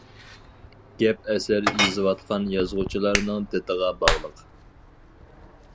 گەپ ئەسەر يېزىۋاتقان يازغۇچىلارنىڭ دىتىغا باغلىق.